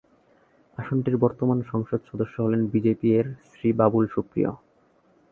আসনটির বর্তমান সংসদ সদস্য হলেন বিজেপি-এর শ্রী বাবুল সুপ্রিয়।